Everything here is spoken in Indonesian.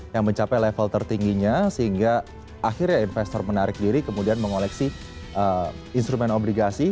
yang mencapai level tertingginya sehingga akhirnya investor menarik diri kemudian mengoleksi instrumen obligasi